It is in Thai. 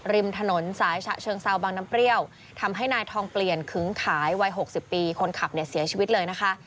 ริมถนนสายฉะเชิงเซาบางน้ำเปรี้ยวทำให้นายทองเปลี่ยนขึ้งขายวัย๖๐ปีคนขับเนี่ยเสียชีวิตเลยนะคะ